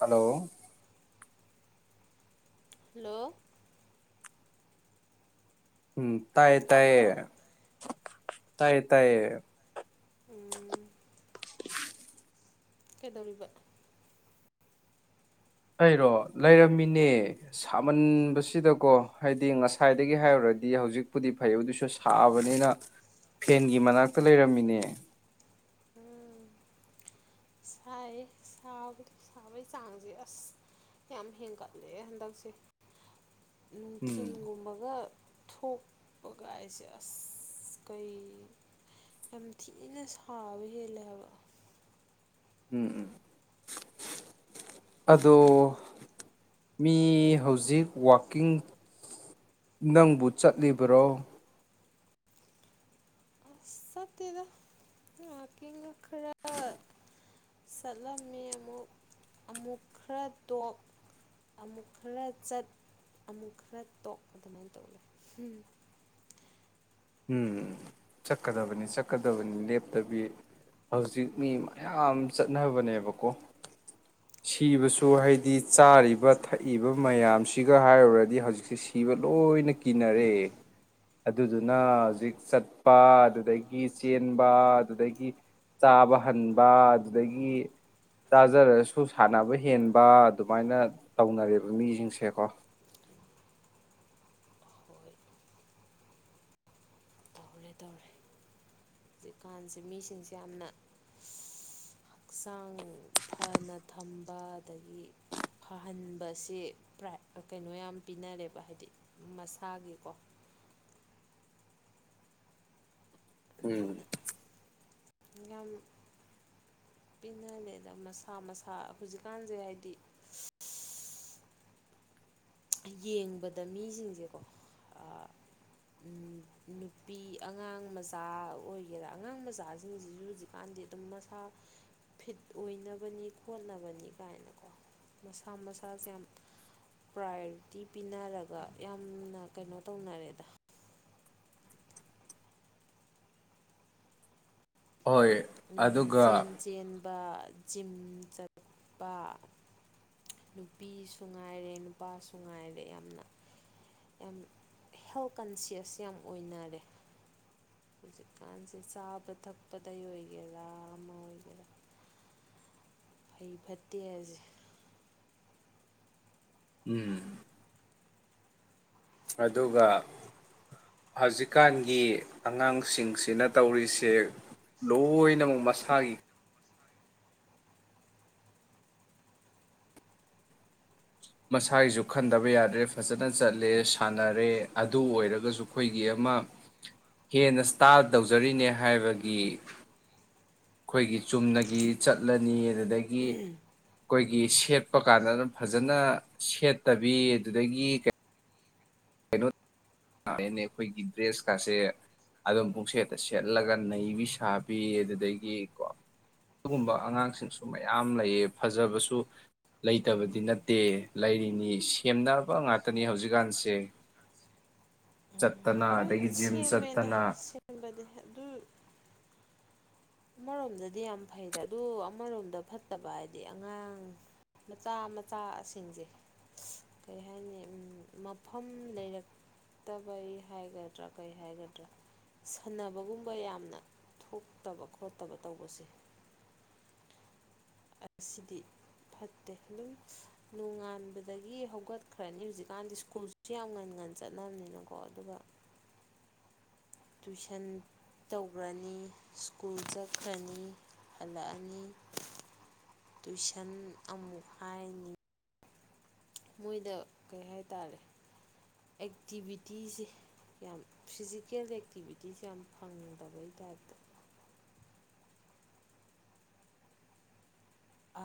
hello hello ꯎꯝ ꯇꯥꯏꯌꯦ ꯇꯥꯏꯌꯦ ꯇꯥꯕ꯭ꯔꯣ ꯇꯥꯏꯌꯦ ꯇꯥꯏꯌꯦ ꯎꯝ ꯀꯩꯗꯧꯔꯤꯕ ꯑꯩꯔꯣ ꯂꯩꯔꯝꯃꯤꯅꯦ ꯁꯥꯃꯟꯕꯁꯤꯗꯀꯣ ꯍꯥꯏꯗꯤ ꯉꯁꯥꯏꯗꯒꯤ ꯍꯥꯏꯔꯨꯔꯗꯤ ꯍꯧꯖꯤꯛꯄꯨꯗꯤ ꯐꯩ ꯑꯗꯨꯁꯨ ꯁꯥꯕꯅꯤꯅ ꯐꯦꯟꯒꯤ ꯃꯅꯥꯛꯇ ꯂꯩꯔꯝꯃꯤꯅꯦ ꯍꯥꯏꯕ ꯁꯥꯕꯒꯤ ꯆꯥꯡꯁꯦ ꯑꯁ ꯌꯥꯝ ꯍꯦꯟꯒꯠꯂꯦ ꯍꯟꯗꯛꯁꯦ ꯎꯝ ꯅꯨꯡꯊꯤꯟꯒꯨꯝꯕꯒ ꯊꯣꯛꯄꯒꯥꯏꯁꯦ ꯑꯁ ꯀꯩ ꯌꯥꯝ ꯊꯤꯅ ꯁꯥꯕ ꯍꯦꯜꯂꯦ ꯍꯥꯏꯕ ꯎꯝ ꯎꯝ ꯑꯗꯣ ꯃꯤ ꯍꯧꯖꯤꯛ ꯋꯥꯛꯀꯤꯡ ꯅꯪꯕꯨ ꯆꯠꯂꯤꯕ꯭ꯔꯣ ꯑꯁ ꯆꯠꯇꯦꯗ ꯋꯀꯤꯡ ꯈꯔ ꯆꯠꯂꯝꯃꯤ ꯑꯃꯨꯛ ꯑꯃꯨꯛ ꯈꯔ ꯇꯣꯛ ꯑꯃꯨꯛ ꯈꯔ ꯆꯠ ꯑꯃꯨꯛ ꯈꯔ ꯇꯣꯛ ꯑꯗꯨꯃꯥꯏꯅ ꯇꯧꯋꯦ ꯎꯝ ꯆꯠꯀꯗꯕꯅꯤ ꯆꯠꯀꯗꯕꯅꯤ ꯂꯦꯞꯇꯕꯤ ꯍꯧꯖꯤꯛ ꯃꯤ ꯃꯌꯥꯝ ꯆꯠꯅꯕꯅꯦꯕꯀꯣ ꯁꯤꯕꯁꯨ ꯍꯥꯏꯗꯤ ꯆꯥꯔꯤꯕ ꯊꯛꯏꯕ ꯃꯌꯥꯝꯁꯤꯒ ꯍꯥꯏꯔꯨꯔꯗꯤ ꯍꯧꯖꯤꯛꯁꯦ ꯁꯤꯕ ꯂꯣꯏꯅ ꯀꯤꯅꯔꯦ ꯑꯗꯨꯗꯨ ꯅ ꯍꯧꯖꯤꯛ ꯆꯠꯄ ꯑꯗꯨꯗꯒꯤ ꯆꯦꯟꯕ ꯑꯗꯨꯗꯒꯤ ꯆꯥꯕ ꯍꯟꯕ ꯑꯗꯨꯗꯒꯤ ꯆꯥꯖꯔꯁꯨ ꯁꯥꯟꯅꯕ ꯍꯦꯟꯕ ꯑꯗꯨꯃꯥꯏꯅ ꯇꯧꯅꯔꯦꯕ ꯃꯤꯁꯤꯡꯁꯦꯀꯣ ꯍꯣꯏ ꯇꯧꯔꯦ ꯇꯧꯔꯦ ꯍꯧꯖꯤꯛꯀꯥꯟꯁꯦ ꯃꯤꯁꯤꯡꯁꯦ ꯌꯥꯝꯅ ꯍꯛꯆꯥꯡ ꯐꯅ ꯊꯝꯕ ꯑꯗꯒꯤ ꯐꯍꯟꯕꯁ꯭ꯔ ꯀꯩꯅꯣ ꯌꯥꯝ ꯄꯤꯅꯔꯦꯕ ꯍꯥꯏꯗꯤ ꯃꯁꯥꯒꯤꯀꯣ ꯑꯗꯨꯅ ꯎꯝ ꯌꯥꯝ ꯄꯤꯅꯦꯗ ꯃꯁꯥ ꯃꯁꯥ ꯍꯧꯖꯤꯛꯀꯥꯟꯁꯦ ꯍꯥꯏꯗꯤ ꯌꯦꯡꯕꯗ ꯃꯤꯁꯤꯡꯁꯦꯀꯣ ꯅꯨꯄꯤ ꯑꯉꯥꯡ ꯃꯆꯥ ꯑꯣꯏꯒꯦꯔꯥ ꯑꯉꯥꯡ ꯃꯆꯥꯁꯤꯡꯁꯤꯁꯨ ꯍꯧꯖꯤꯛꯀꯥꯟꯗꯤ ꯑꯗꯨꯝ ꯃꯁꯥ ꯐꯤꯠ ꯑꯣꯏꯅꯕꯅꯤ ꯈꯣꯠꯅꯕꯅꯤ ꯀꯥꯏꯅꯀꯣ ꯃꯁꯥ ꯃꯁꯥꯁꯦ ꯌꯥꯝ ꯄ꯭ꯔꯥꯏꯌꯣꯔꯤꯇꯤ ꯄꯤꯅꯔꯒ ꯌꯥꯝꯅ ꯀꯩꯅꯣ ꯇꯧꯅꯔꯦꯗ ꯍꯣꯏ ꯑꯗꯨꯒ ꯂꯝꯖꯦꯟ ꯆꯦꯟꯕ ꯖꯤꯝ ꯆꯠꯛꯄ ꯅꯨꯄꯤꯁꯨ ꯉꯥꯏꯔꯦ ꯅꯨꯄꯥꯁꯨ ꯉꯥꯏꯔꯦ ꯌꯥꯝꯅ ꯌꯥꯝ ꯍꯦꯜꯊ ꯀꯟꯁꯤꯌꯁ ꯌꯥꯝ ꯑꯣꯏꯅꯔꯦ ꯍꯧꯖꯤꯛꯀꯥꯟꯁꯦ ꯆꯥꯕ ꯊꯛꯄꯗ ꯑꯣꯏ ꯒꯦꯔꯝ ꯑꯣꯏꯒꯔ ꯐꯩ ꯐꯠꯇꯦ ꯍꯥꯏꯁꯦ ꯎꯝ ꯑꯗꯨꯒ ꯍꯧꯖꯤꯛꯀꯥꯟꯒꯤ ꯑꯉꯥꯡꯁꯤꯡꯁꯤꯅ ꯇꯧꯔꯤꯁꯦ ꯂꯣꯏꯅꯃꯛ ꯃꯁꯥꯒꯤ ꯃꯁꯥꯒꯤꯁꯨ ꯈꯟꯗꯕ ꯌꯥꯗ꯭ꯔꯦ ꯐꯖꯅ ꯆꯠꯂꯦ ꯁꯥꯟꯅꯔꯦ ꯑꯗꯨ ꯑꯣꯏꯔꯒꯁꯨ ꯑꯩꯈꯣꯏꯒꯤ ꯑꯃ ꯍꯦꯟꯅ ꯏꯁꯇꯥꯜ ꯇꯧꯖꯔꯤꯅꯦ ꯍꯥꯏꯕꯒꯤ ꯑꯩꯈꯣꯏꯒꯤ ꯆꯨꯝꯅꯒꯤ ꯆꯠꯂꯅꯤ ꯑꯗꯨꯅ ꯑꯗꯒꯤ ꯑꯩꯈꯣꯏꯒꯤ ꯁꯦꯠꯄ ꯀꯥꯟꯗ ꯑꯗꯨ ꯐꯖꯅ ꯁꯦꯠꯇꯕꯤ ꯑꯗꯨꯗꯒꯤ ꯀꯩ ꯀꯩꯅꯣ ꯅꯦ ꯑꯩꯈꯣꯏꯒꯤ ꯗ꯭ꯔꯦꯁꯀꯁꯦ ꯑꯗꯨꯝ ꯄꯨꯡꯁꯦꯠꯇ ꯁꯦꯠꯂꯒ ꯅꯩꯕꯤ ꯁꯥꯕꯤ ꯑꯗꯨꯗꯒꯤ ꯀꯣ ꯑꯗꯨꯒꯨꯝꯕ ꯑꯉꯥꯡꯁꯤꯡꯁꯨ ꯃꯩ ꯃꯌꯥꯝ ꯂꯩꯌꯦ ꯐꯖꯕꯁꯨ ꯂꯩꯇꯕꯗꯤ ꯅꯠꯇꯦ ꯂꯩꯔꯤꯅꯤ ꯁꯦꯝꯅꯅꯕ ꯉꯥꯛꯇꯅꯤ ꯍꯧꯖꯤꯛꯀꯥꯟꯁꯦ ꯆꯠꯇꯅ ꯂꯣꯏ ꯑꯗꯒꯤ ꯖꯤꯝ ꯁꯦꯝꯃꯦꯗ ꯆꯠꯇꯅ ꯁꯦꯝꯕꯗꯤ ꯑꯗꯨ ꯑꯃꯔꯣꯝꯗꯗꯤ ꯌꯥꯝ ꯐꯩꯗ ꯑꯗꯨ ꯑꯃꯔꯣꯝꯗ ꯐꯠꯇꯕ ꯍꯥꯏꯗꯤ ꯑꯉꯥꯡ ꯃꯆꯥ ꯃꯆꯥꯁꯤꯡꯁꯦ ꯀꯔꯤ ꯍꯥꯏꯅꯤ ꯃꯐꯝ ꯂꯩꯔꯛꯇꯕꯩ ꯍꯥꯏꯒꯗ꯭ꯔꯥ ꯀꯔꯤ ꯍꯥꯏꯒꯗ꯭ꯔꯥ ꯁꯥꯟꯅꯕꯒꯨꯝꯕ ꯌꯥꯝꯅ ꯊꯣꯛꯇꯕ ꯈꯣꯠꯇꯕ ꯇꯧꯕꯁꯦ ꯑꯁꯤꯗꯤ ꯐꯠꯇꯦ ꯑꯗꯨꯝ ꯅꯣꯡꯉꯥꯟꯕꯗꯒꯤ ꯍꯧꯒꯠꯈ꯭ꯔꯅꯤ ꯍꯧꯖꯤꯛꯀꯥꯟꯗꯤ ꯁ꯭ꯀꯨꯜꯁꯨ ꯌꯥꯝ ꯉꯟ ꯉꯟ ꯆꯠꯅꯕꯅꯤꯅꯀꯣ ꯑꯗꯨꯒ ꯇꯨꯏꯁꯟ ꯇꯧꯈ꯭ꯔꯅꯤ ꯁ꯭ꯀꯨꯜ ꯆꯠꯈ꯭ꯔꯅꯤ ꯍꯜꯂꯛꯑꯅꯤ ꯇꯨꯏꯁꯟ ꯑꯃꯨꯛ ꯍꯥꯏꯅꯤ ꯃꯣꯏꯗ ꯀꯩ ꯍꯥꯏ ꯇꯥꯔꯦ ꯑꯦꯛꯇꯤꯚꯤꯇꯤꯁꯦ ꯌꯥꯝ ꯐꯤꯖꯤꯀꯦꯜ ꯑꯦꯛꯇꯤꯚꯤꯇꯤꯁꯦ ꯌꯥꯝ ꯐꯪꯗꯕꯩ ꯇꯥꯏꯞꯇ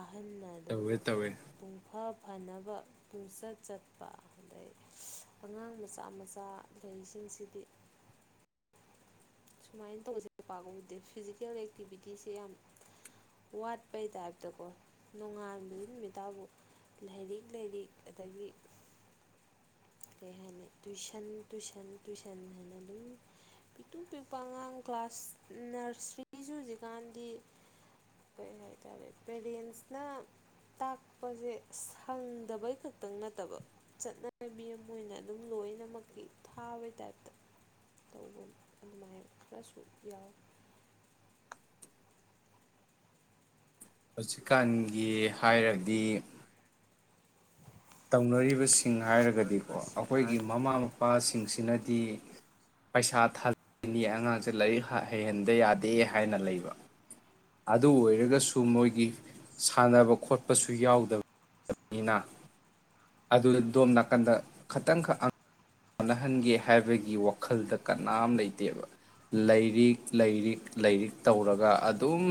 ꯑꯍꯟꯅ ꯑꯗꯨꯝ ꯇꯧꯋꯦ ꯇꯧꯋꯦ ꯄꯨꯡꯐꯥ ꯐꯅꯕ ꯄꯨꯡꯆꯠ ꯆꯠꯄ ꯑꯗꯩ ꯑꯉꯥꯡ ꯃꯆꯥ ꯃꯆꯥ ꯂꯩꯁꯤꯡꯁꯤꯗꯤ ꯁꯨꯃꯥꯏꯅ ꯇꯧꯕꯁꯦ ꯄꯥꯛꯀꯕꯨꯗꯦ ꯐꯤꯖꯤꯀꯦꯜ ꯑꯦꯛꯇꯤꯚꯤꯇꯤꯁꯦ ꯌꯥꯝ ꯋꯥꯠꯄꯩ ꯇꯥꯏꯞꯇꯀꯣ ꯅꯣꯡꯉꯥꯟꯕꯒꯤ ꯅꯨꯃꯤꯠꯠꯇꯥꯕꯨ ꯂꯥꯏꯔꯤꯛ ꯂꯥꯏꯔꯤꯛ ꯑꯗꯒꯤ ꯀꯩ ꯍꯥꯏꯅꯤ ꯇꯨꯏꯁꯟ ꯇꯨꯏꯁꯟ ꯇꯨꯏꯁꯟ ꯍꯥꯏꯅ ꯑꯗꯨꯝ ꯄꯤꯛꯇꯨꯡ ꯄꯤꯛꯄ ꯑꯉꯥꯡ ꯀ꯭ꯂꯥꯁ ꯅꯔꯁꯔꯤꯁꯨ ꯍꯧꯖꯤꯛꯀꯥꯟꯗꯤ ꯀꯩ ꯍꯥꯏꯇꯥꯔꯦ ꯄꯦꯔꯦꯟꯁꯅ ꯇꯥꯛꯄꯁꯦ ꯁꯪꯗꯕꯩ ꯈꯛꯇꯪ ꯅꯠꯇꯕ ꯆꯠꯅꯕꯤ ꯑꯃ ꯃꯣꯏꯅ ꯑꯗꯨꯝ ꯂꯣꯏꯅꯃꯛꯀꯤ ꯊꯥꯕꯩ ꯇꯥꯏꯞꯇ ꯇꯧꯕ ꯑꯗꯨꯃꯥꯏꯅ ꯈꯔꯁꯨ ꯌꯥꯎꯋꯤ ꯍꯧꯖꯤꯛꯀꯥꯟꯒꯤ ꯍꯥꯏꯔꯗꯤ ꯇꯧꯅꯔꯤꯕꯁꯤꯡ ꯍꯥꯏꯔꯒꯗꯤꯀꯣ ꯑꯩꯈꯣꯏꯒꯤ ꯃꯃꯥ ꯃꯄꯥꯁꯤꯡ ꯁꯤꯡꯁꯤꯅꯗꯤ ꯄꯩꯁꯥ ꯊꯥꯅꯤ ꯑꯉꯥꯡꯁꯦ ꯂꯥꯏꯔꯤꯛ ꯍꯩꯍꯟꯗ ꯌꯥꯗꯦ ꯍꯥꯏꯅ ꯂꯩꯕ ꯑꯗꯨ ꯑꯣꯏꯔꯒꯁꯨ ꯃꯣꯏꯒꯤ ꯁꯥꯟꯅꯕ ꯈꯣꯠꯄꯁꯨ ꯌꯥꯎꯗꯕꯅꯤꯅ ꯑꯗꯨ ꯗꯣꯝ ꯅꯥꯀꯟꯗ ꯈꯇꯪ ꯈꯛꯪ ꯍꯣꯠꯅꯍꯟꯒꯦ ꯍꯥꯏꯕꯒꯤ ꯋꯥꯈꯜꯗ ꯀꯅꯥꯝ ꯂꯩꯇꯦꯕ ꯂꯥꯏꯔꯤꯛ ꯂꯥꯏꯔꯤꯛ ꯂꯥꯏꯔꯤꯛ ꯇꯧꯔꯒ ꯑꯗꯨꯝ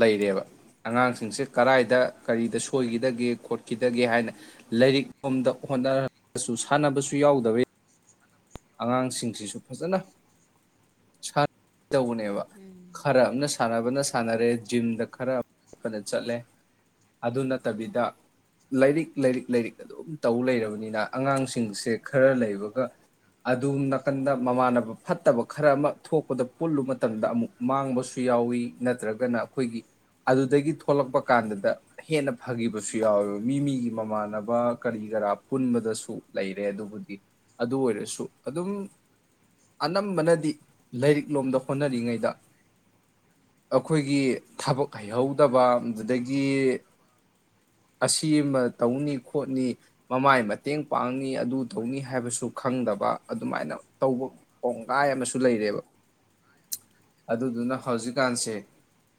ꯂꯩꯔꯦꯕ ꯑꯉꯥꯡꯁꯤꯡꯁꯦ ꯀꯗꯥꯏꯗ ꯀꯔꯤꯗ ꯁꯣꯏꯈꯤꯗꯒꯦ ꯈꯣꯠꯈꯤꯗꯒꯦ ꯍꯥꯏꯅ ꯂꯥꯏꯔꯤꯛ ꯂꯣꯝꯗ ꯍꯣꯠꯅꯁꯨ ꯁꯥꯟꯅꯕꯁꯨ ꯌꯥꯎꯗꯕꯒꯤ ꯑꯉꯥꯡꯁꯤꯡꯁꯤꯁꯨ ꯐꯖꯅ ꯇꯧꯕꯅꯦꯕ ꯎꯝ ꯈꯔ ꯑ ꯑꯃꯅ ꯁꯥꯟꯅꯕ ꯐꯕꯅ ꯁꯥꯟꯅꯔꯦ ꯖꯤꯝꯗ ꯈꯔꯣꯠꯄꯅ ꯆꯠꯂꯦ ꯑꯗꯨ ꯅꯠꯇꯕꯤꯗ ꯂꯥꯏꯔꯤꯛ ꯂꯥꯏꯔꯤꯛ ꯂꯥꯏꯔꯤꯛ ꯑꯗꯨꯝ ꯇꯧ ꯂꯩꯔꯕꯅꯤꯅ ꯑꯉꯥꯡꯁꯤꯡꯁꯦ ꯈꯔ ꯂꯩꯕꯒ ꯑꯗꯨꯝ ꯅꯥꯀꯟꯗ ꯃꯃꯥꯟꯅꯕ ꯐꯠꯇꯕ ꯈꯔ ꯑꯃ ꯊꯣꯛꯄꯗ ꯄꯨꯜꯂꯨ ꯃꯇꯝꯗ ꯑꯃꯨꯛ ꯃꯥꯡꯕꯁꯨ ꯌꯥꯎꯋꯤ ꯅꯠꯇ꯭ꯔꯒꯅ ꯑꯩꯈꯣꯏꯒꯤ ꯑꯗꯨꯗꯒꯤ ꯊꯣꯛꯂꯛꯄ ꯀꯥꯟꯗꯨꯗ ꯍꯦꯟꯅ ꯐꯈꯤꯕꯁꯨ ꯌꯥꯎꯋꯦꯕ ꯃꯤ ꯃꯤꯒꯤ ꯃꯃꯥꯟꯅꯕ ꯀꯔꯤ ꯀꯔꯥ ꯄꯨꯟꯕꯗꯁꯨ ꯂꯩꯔꯦ ꯑꯗꯨꯕꯨꯗꯤ ꯑꯗꯨ ꯑꯣꯏꯔꯁꯨ ꯑꯗꯨꯝ ꯑꯅꯝꯕꯅꯗꯤ ꯂꯥꯏꯔꯤꯛ ꯂꯣꯝꯗ ꯍꯣꯠꯅꯔꯤꯉꯩꯗ ꯑꯩꯈꯣꯏꯒꯤ ꯊꯕꯛ ꯍꯩꯍꯧꯗꯕ ꯑꯗꯨꯗꯒꯤ ꯑꯁꯤꯃ ꯇꯧꯅꯤ ꯈꯣꯠꯅꯤ ꯃꯃꯥꯏ ꯃꯇꯦꯡ ꯄꯥꯡꯅꯤ ꯑꯗꯨ ꯇꯧꯅꯤ ꯍꯥꯏꯕꯁꯨ ꯈꯪꯗꯕ ꯑꯗꯨꯃꯥꯏꯅ ꯇꯧꯕ ꯄꯣꯡꯒꯥꯏ ꯑꯃꯁꯨ ꯂꯩꯔꯦꯕ ꯑꯗꯨꯗꯨꯅ ꯍꯧꯖꯤꯛꯀꯥꯟꯁꯦ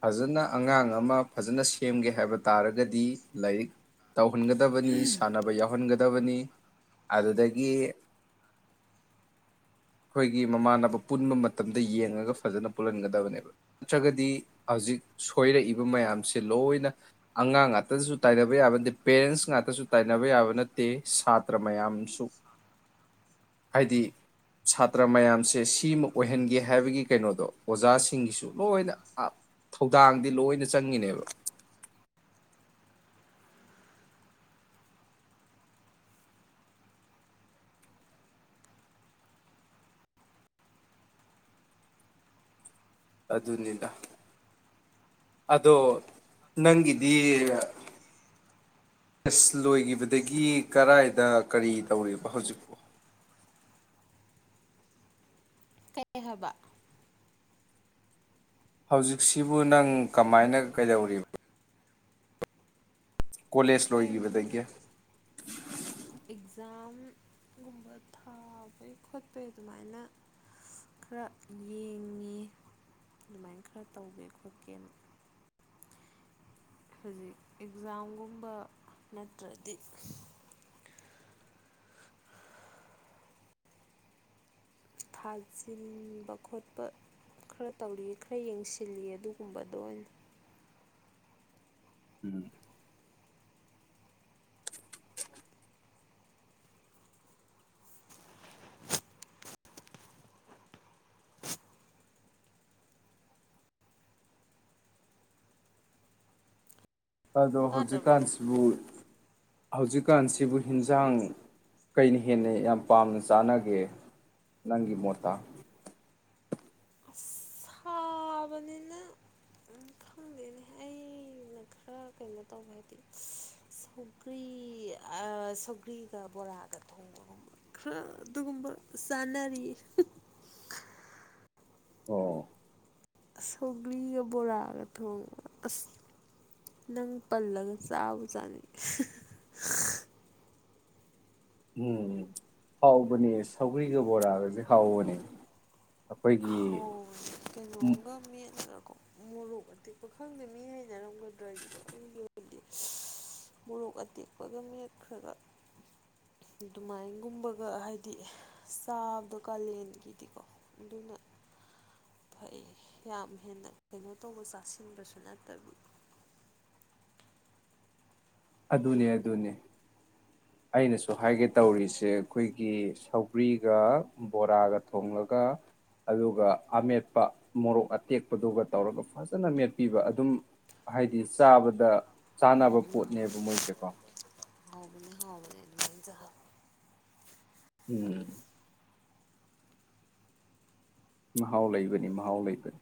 ꯐꯖꯅ ꯑꯉꯥꯡ ꯑꯃ ꯐꯖꯅ ꯁꯦꯝꯒꯦ ꯍꯥꯏꯕ ꯇꯥꯔꯒꯗꯤ ꯂꯥꯏꯔꯤꯛ ꯇꯧꯍꯟꯒꯗꯕꯅꯤ ꯁꯥꯟꯅꯕ ꯌꯥꯎꯍꯟꯒ ꯗꯕꯅꯤ ꯑꯗꯨꯗꯒꯤ ꯑꯩꯈꯣꯏꯒꯤ ꯃꯃꯥꯟꯅꯕ ꯄꯨꯟꯕ ꯃꯇꯝꯗ ꯌꯦꯡꯉꯒ ꯐꯖꯅ ꯄꯨꯜꯍꯟꯒꯗꯕꯅꯦꯕ ꯅꯠꯇ꯭ꯔꯒꯗꯤ ꯍꯧꯖꯤꯛ ꯁꯣꯏꯔꯛꯏꯕ ꯃꯌꯥꯝꯁꯦ ꯂꯣꯏꯅ ꯑꯉꯥꯡ ꯉꯥꯛꯇꯗꯁꯨ ꯇꯥꯏꯅꯕ ꯌꯥꯕ ꯅꯠꯇꯦ ꯄꯦꯔꯦꯟꯁ ꯉꯥꯛꯇꯁꯨ ꯇꯥꯏꯅꯕ ꯌꯥꯕ ꯅꯠꯇꯦ ꯁꯥꯇ꯭ꯔ ꯃꯌꯥꯝꯁꯨ ꯍꯥꯏꯗꯤ ꯁꯥꯇ꯭ꯔ ꯃꯌꯥꯝ ꯁꯦ ꯁꯤꯃ ꯑꯣꯏꯍꯟꯒꯦ ꯍꯥꯏꯕꯒꯤ ꯀꯩꯅꯣꯗꯣ ꯑꯣꯖꯥꯁꯤꯡꯒꯤꯁꯨ ꯂꯣꯏꯅ ꯊꯧꯗꯥꯡꯗꯤ ꯂꯣꯏꯅ ꯆꯪꯉꯤꯅꯦꯕ ꯑꯗꯨꯅꯤꯅ ꯑꯗꯣ ꯅꯪꯒꯤꯗꯤ ꯀꯦꯁ ꯂꯣꯏꯈꯤꯕꯗꯒꯤ ꯀꯔꯥꯏꯗ ꯀꯔꯤ ꯇꯧꯔꯤꯕ ꯍꯧꯖꯤꯛꯄꯣ ꯇꯍꯕ ꯍꯧꯖꯤꯛꯁꯤꯕꯨ ꯅꯪ ꯀꯃꯥꯏꯅ ꯀꯩꯗꯧꯔꯤꯕ ꯀꯣꯂꯦꯖ ꯑꯩ ꯑꯣꯏꯒꯤꯕ ꯑꯗꯨꯝ ꯇꯦꯡ ꯀꯦ ꯨꯝꯕ ꯊꯥꯕꯩ ꯈꯣꯠꯄꯩ ꯑꯗꯨꯃꯥꯏꯅ ꯈꯔ ꯌꯦꯡꯉꯦ ꯑꯗꯨꯃꯥꯏꯅ ꯈꯔ ꯇꯧꯒꯦ ꯈꯣꯠꯀꯦꯅ ꯍꯧꯖꯤꯛ ꯑꯦꯛꯖꯥꯝꯒꯨꯝꯕ ꯅꯠꯇ꯭ꯔꯗꯤ ꯊꯥꯖꯤꯟꯕ ꯈꯣꯠꯄ ꯈꯔ ꯇꯧꯔꯤ ꯈꯔ ꯌꯦꯡꯁꯤꯜꯂꯤ ꯑꯗꯨꯒꯨꯝꯕꯗꯣ ꯑꯣꯏꯅ ꯎꯝ ꯑꯗꯣ ꯇꯥꯗ꯭ꯔꯕꯣ ꯍꯧꯖꯤꯛꯀꯥꯟꯁꯤꯕꯨ ꯍꯧꯖꯤꯛꯀꯥꯟꯁꯤꯕꯨ ꯍꯟꯁꯥꯡ ꯀꯩꯅ ꯍꯦꯟꯅ ꯌꯥꯝ ꯄꯥꯝꯅ ꯆꯥꯅꯒꯦ ꯅꯪꯒꯤ ꯃꯣꯠꯇ ꯑꯁ ꯁꯥꯕꯅꯤꯅ ꯈꯪꯗꯦꯅꯦ ꯑꯩꯅ ꯈꯔ ꯀꯩꯅꯣ ꯇꯧꯕ ꯍꯥꯏꯗꯤ ꯁꯧꯒ꯭ꯔꯤ ꯁꯧꯒ꯭ꯔꯤꯒ ꯕꯣꯔꯥꯒ ꯊꯣꯡꯕꯒꯨꯝꯕ ꯈꯔ ꯑꯗꯨꯒꯨꯝꯕ ꯆꯥꯅꯔꯤ ꯑꯣ ꯁꯧꯒ꯭ꯂꯤꯒ ꯕꯣꯔꯥꯒ ꯊꯣꯡꯉꯒ ꯑꯁ ꯅꯪ ꯄꯜꯂꯒ ꯆꯥꯕ ꯆꯥꯅꯤꯡ ꯎꯝ ꯍꯥꯎꯕꯅꯤ ꯁꯥꯎꯒ꯭ꯔꯤ ꯕꯔꯥꯖꯤ ꯍꯥꯎꯕꯅꯤ ꯍ ꯀꯩꯅꯣꯕ ꯃꯤꯔꯀꯣ ꯃꯣꯔꯣꯛ ꯑꯇꯦꯛꯄ ꯈꯪꯗꯕꯅꯤ ꯍꯥꯏꯅ ꯔꯝꯒꯗ꯭ꯔ ꯍꯥꯏꯣ ꯍꯥꯏꯗꯤ ꯃꯣꯔꯣꯛ ꯑꯇꯦꯛꯄꯒ ꯃꯦꯠꯈ꯭ꯔꯒ ꯑꯗꯨꯃꯥꯏꯅꯒꯨꯝꯕꯒ ꯍꯥꯏꯗꯤ ꯆꯥꯕꯗꯣ ꯀꯥꯂꯦꯟꯒꯤꯗꯤꯀꯣ ꯑꯗꯨꯅ ꯐꯩ ꯌꯥꯝ ꯍꯦꯟꯅ ꯀꯩꯅꯣ ꯇꯧꯕ ꯆꯥꯁꯤꯟꯕꯁꯨ ꯅꯠꯇꯕꯤ ꯑꯗꯨꯅꯦ ꯑꯗꯨꯅꯦ ꯑꯩꯅꯁꯨ ꯍꯥꯏꯒꯦ ꯇꯧꯔꯤꯁꯦ ꯑꯩꯈꯣꯏꯒꯤ ꯁꯒ꯭ꯔꯤꯒ ꯕꯣꯔꯥꯒ ꯊꯣꯡꯂꯒ ꯑꯗꯨꯒ ꯑꯃꯦꯠꯄ ꯃꯣꯔꯣꯛ ꯑꯇꯦꯛꯄꯗꯨꯒ ꯇꯧꯔꯒ ꯐꯖꯅ ꯃꯦꯠꯄꯤꯕ ꯑꯗꯨꯝ ꯍꯥꯏꯗꯤ ꯆꯥꯕꯗ ꯆꯥꯅꯕ ꯎꯝ ꯎꯝ ꯄꯣꯠꯅꯦꯕ ꯃꯣꯏꯁꯦꯀꯣ ꯍꯥꯎꯕꯅꯦ ꯍꯥꯎꯕꯅꯦ ꯑꯗꯨꯃꯥꯏꯅ ꯆꯥꯕ ꯎꯝ ꯃꯍꯥꯎ ꯂꯩꯕꯅꯤ ꯃꯍꯥꯎ ꯂꯩꯕꯅꯤ